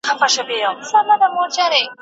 په سیتار به دړي وړي کړم لښکري